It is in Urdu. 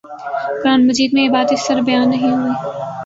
قرآنِ مجید میں یہ بات اس طرح بیان نہیں ہوئی